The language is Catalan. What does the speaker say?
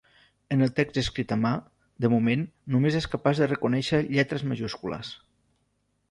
En el text escrit a mà, de moment, només és capaç de reconèixer lletres majúscules.